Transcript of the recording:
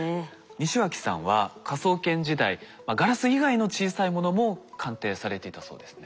西脇さんは科捜研時代ガラス以外の小さいものも鑑定されていたそうですね。